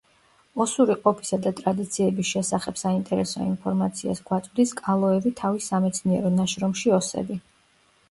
ოსური ყოფისა და ტრადიციების შესახებ საინტერესო ინფორმაციას გვაწვდის კალოევი თავის სამეცნიერო ნაშრომში „ოსები“.